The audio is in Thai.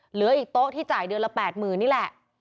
เหลืออีกโต๊ะที่จ่ายเดือนละ๘๐๐๐นี่แหละ